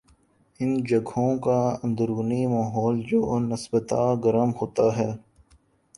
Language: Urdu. ان جگہوں کا اندرونی ماحول جو نسبتا گرم ہوتا ہے